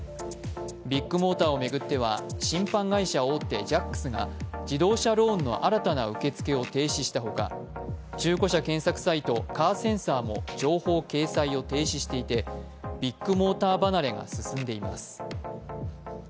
ビッグモーターを巡っては信販会社大手・ジャックスが自動車ローンの新たな受け付けを停止したほか、中古車検索サイト・カーセンサーも情報掲載を停止していて、ビッグモーター離れが進んでいます。